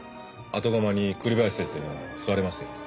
後釜に栗林先生が座れますよ。